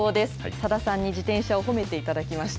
さださんに自転車を褒めていただきました。